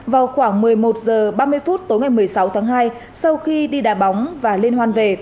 vào khoảng một mươi một h ba mươi phút tối ngày một mươi sáu tháng hai sau khi đi đà bóng và liên hoan về